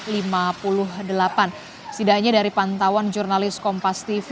setidaknya dari pantauan jurnalis kompas tv di lokasi ada